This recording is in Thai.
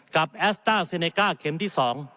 กับแอสต้าซีเนก้าเข็มที่๒